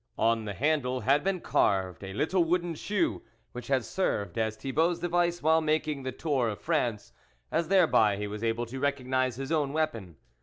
On the handle had been carved a little wooden shoe, which had served as Thibault's device while making the tour of France, as thereby he was able to recog nise his own weapon.